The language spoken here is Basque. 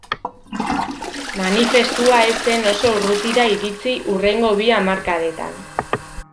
Manifestua ez zen oso urrutira iritsi hurrengo bi hamarkadetan.